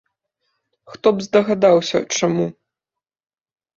Хто б здагадаўся, чаму.